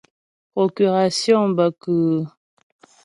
Procurasyɔŋ bə kʉ́ʉ́ ?